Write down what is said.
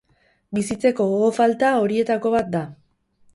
Bizitzeko gogo falta horietako bat da.